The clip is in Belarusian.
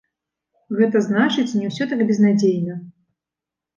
Гэта значыць, не ўсё так безнадзейна.